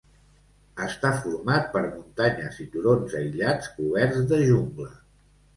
Està format per muntanyes i turons aïllats coberts de jungla.